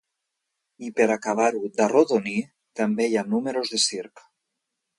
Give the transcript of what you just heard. I per acabar-ho d’arrodonir, també hi ha números de circ.